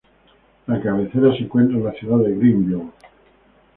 La cabecera se encuentra en la ciudad de Greenville.